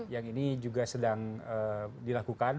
yang ini juga sedang dilakukan